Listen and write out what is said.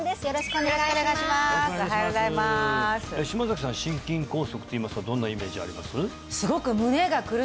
おはようございます島崎さん心筋梗塞といいますとどんなイメージあります？